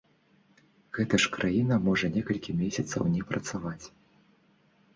Гэта ж краіна можа некалькі месяцаў не працаваць!